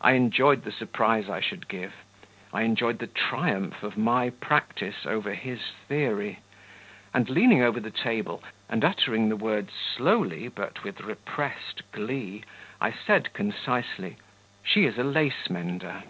I enjoyed the surprise I should give; I enjoyed the triumph of my practice over his theory; and leaning over the table, and uttering the words slowly but with repressed glee, I said concisely "She is a lace mender."